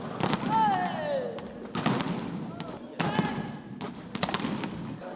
สุดท้ายสุดท้ายสุดท้าย